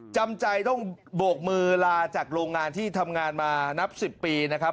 จำใจต้องโบกมือลาจากโรงงานที่ทำงานมานับ๑๐ปีนะครับ